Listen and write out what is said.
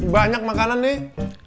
banyak makanan nih